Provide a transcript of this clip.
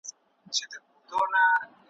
شته مني لکه لولۍ چي د سړي غیږي ته لویږي ,